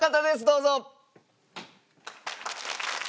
どうぞ。